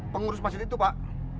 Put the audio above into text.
pengurus masjid itu pak